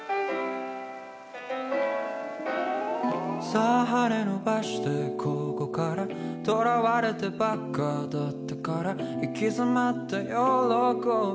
さぁ羽のばしてここから捉われてばっかだったから行き詰った悦び